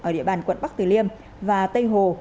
ở địa bàn quận bắc tử liêm và tây hồ